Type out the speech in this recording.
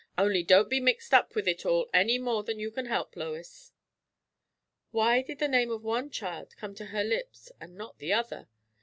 "Only don't be mixed up with it all any more than you can help, Lois." Why did the name of one child come to her lips and not the other?